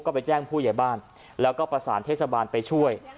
ก็ไปแจ้งผู้ใหญ่บ้านแล้วก็ประสานเทศบาลไปช่วย